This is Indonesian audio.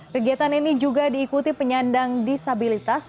kegiatan ini juga diikuti penyandang disabilitas